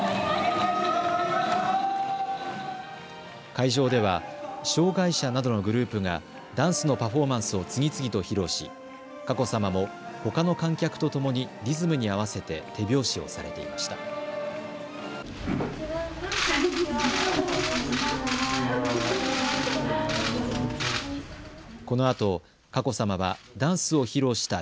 会場では障害者などのグループがダンスのパフォーマンスを次々と披露し佳子さまも、ほかの観客とともにリズムに合わせて手拍子をされていました。